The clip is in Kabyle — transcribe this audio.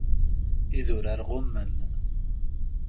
Idurar ɣummen.